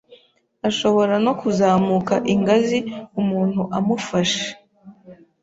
ashobora no kuzamuka ingazi umuntu amufashe;